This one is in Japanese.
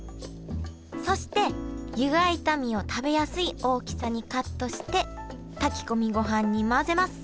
そして湯がいた身を食べやすい大きさにカットして炊き込みごはんに混ぜます。